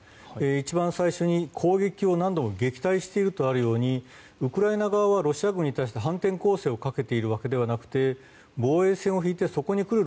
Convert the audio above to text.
一番最初に攻撃を何度も撃退しているとあるようにウクライナ側はロシア軍に対して反転攻勢をかけているわけではなくて防衛線を引いてそこに来る